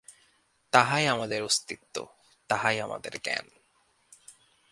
তাহাই আমাদের অস্তিত্ব, তাহাই আমাদের জ্ঞান।